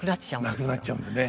なくなっちゃうんでね。